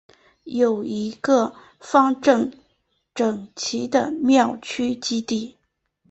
有一个方正整齐的庙区基地。